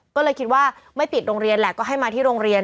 ก็เลยคิดว่าไม่ปิดโรงเรียนแหละก็ให้มาที่โรงเรียน